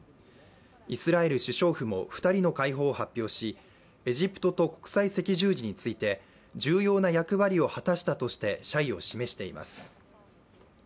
イスラエル首相府も２人の解放を発表しエジプトと国際赤十字について重要な役割を示したとして謝意を示しています